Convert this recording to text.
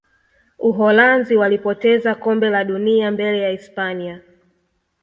uholanzi walipoteza kombe la dunia mbele ya hispania